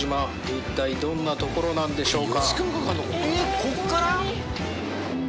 一体どんな所なんでしょうか？